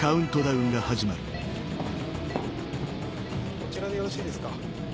こちらでよろしいですか？